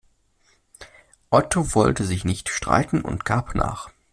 Otto wollte sich nicht streiten und gab nach.